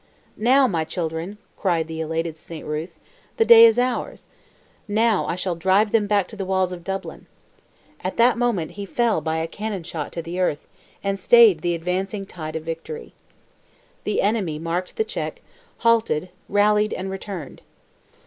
"Now, my children," cried the elated Saint Ruth, "the day is ours! Now I shall drive them back to the walls of Dublin!" At that moment he fell by a cannon shot to the earth, and stayed the advancing tide of victory. The enemy marked the check, halted, rallied and returned.